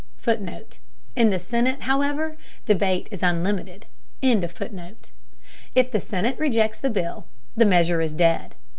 [Footnote: In the Senate, however, debate is unlimited.]If the Senate rejects the bill, the measure is dead.